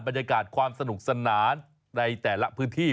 บรรยากาศความสนุกสนานในแต่ละพื้นที่